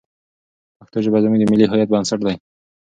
پښتو ژبه زموږ د ملي هویت بنسټ دی.